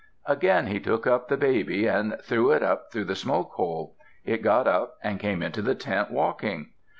Again he took up the baby and threw it up through the smoke hole. It got up and came into the tent walking.